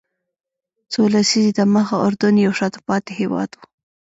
څو لسیزې دمخه اردن یو شاته پاتې هېواد و.